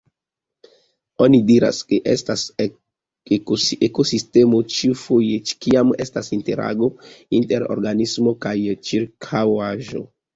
Oni diras, ke estas ekosistemo, ĉiufoje kiam estas interago inter organismo kaj ĉirkaŭaĵo.